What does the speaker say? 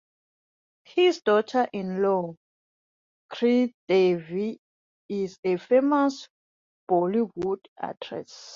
His daughter-in-law Sridevi is a famous Bollywood actress.